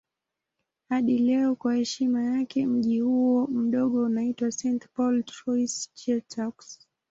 Hadi leo kwa heshima yake mji huo mdogo unaitwa St. Paul Trois-Chateaux.